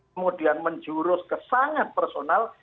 kemudian menjurus kesangan personal